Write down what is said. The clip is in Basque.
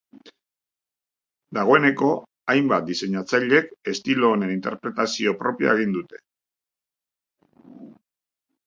Dagoeneko hainbat diseinatzailek estilo honen interpretazio propioa egin dute.